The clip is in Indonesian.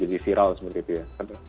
jadi viral seperti itu ya